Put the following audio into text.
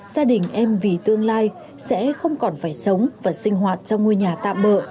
gia đình em vì tương lai sẽ không còn phải sống và sinh hoạt trong ngôi nhà tạm bỡ